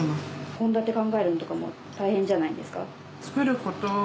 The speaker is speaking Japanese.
献立考えるのとかも大変じゃないですか？